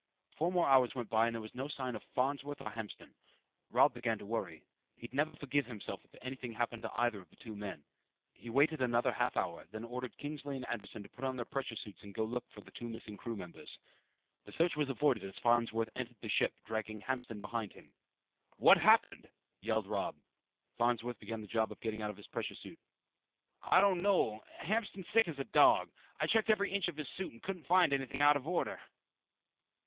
Four more hours went by and there was no sign of Farnsworth or Hamston. Robb began to worry. He'd never forgive himself if anything happened to either of the two men. He waited another half hour, then ordered Kinsley and Anderson to put on their pressure suits and go look for the two missing crew members. The search was avoided as Farnsworth entered the ship dragging Hamston behind him. "What happened!" yelled Robb. Farnsworth began the job of getting out of his pressure suit. "I don't know. Hamston's sick as a dog. I checked every inch of his suit and couldn't find anything out of order."